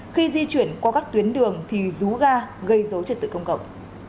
khi di chuyển qua các tuyến đường thì rú ga gây dấu trật tự công cộng